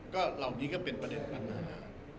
ก็เหล่านี้ก็เป็นประเด็นปัญหา